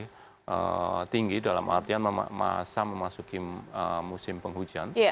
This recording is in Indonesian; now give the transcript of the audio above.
tadi curah hujan tadi kan masih tinggi dalam artian masa memasuki musim penghujan